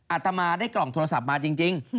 อาตมาได้กล่องโทรศัพท์มาจริง